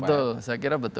betul saya kira betul